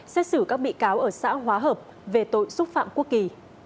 xét xử các bị cáo ở xã hóa hợp về tội xúc phạm quốc kỳ